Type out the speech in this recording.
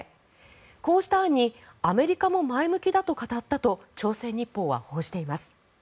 こうした案にアメリカも前向きだと語ったと朝鮮日報は報じています。